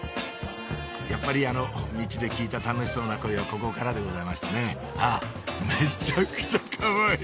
やっぱりあのミチで聞いた楽しそうな声はここからでございましたねあっめちゃくちゃかわいい！